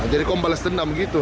jadi kau balas dendam gitu